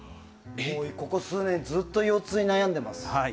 ここ数年、ずっと腰痛に悩んでいます。